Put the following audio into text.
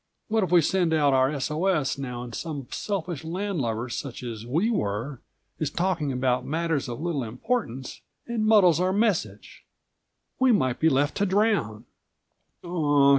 What if we send out our S. O. S. now and some selfish landlubber such as we were is talking about matters of little importance and muddles our message? We might be left to drown."